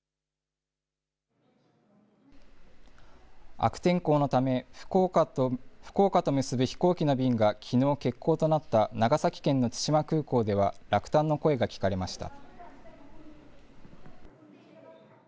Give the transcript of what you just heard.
悪天候のため、福岡と結ぶ飛行機の便がきのう欠航となった、長崎県の対馬空港では、落胆の声が聞かれました。